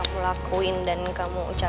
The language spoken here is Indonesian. lo baru balik ya